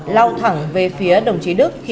lao thẳng về phía đồng chí đức